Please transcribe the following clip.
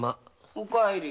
おかえり。